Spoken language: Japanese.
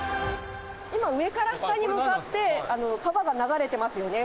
今上から下に向かって川が流れてますよね。